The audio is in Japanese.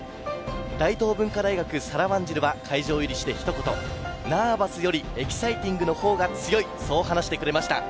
大東文化大学、サラ・ワンジルは会場入りして、ひと言、ナーバスよりエキサイティングの方が強い、そう話してくれました。